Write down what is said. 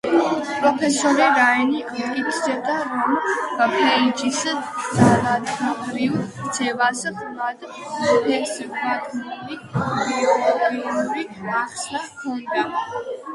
პროფესორი რაინი ამტკიცებდა, რომ ფეიჯის ძალადობრივ ქცევას ღრმად ფესვგადგმული ბიოლოგიური ახსნა ჰქონდა.